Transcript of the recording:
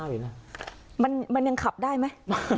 ว่ามันยังขับได้มั้ย